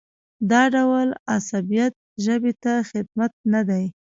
دا ډول عصبیت ژبې ته خدمت نه دی.